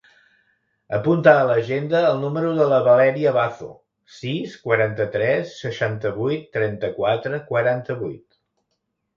Apunta a l'agenda el número de la Valèria Bazo: sis, quaranta-tres, seixanta-vuit, trenta-quatre, quaranta-vuit.